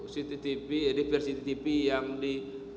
cttp edit per cttp yang di